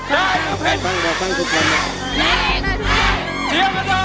เชียวมาถ่อยได้ให้